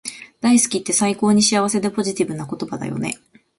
大好きって最高に幸せでポジティブな言葉だよね